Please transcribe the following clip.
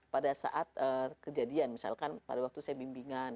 pada saat kejadian misalkan pada waktu saya bimbingan